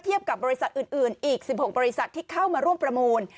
กับบริษัทอื่นอีก๑๖บริษัทที่เข้ามาร่วมประมูล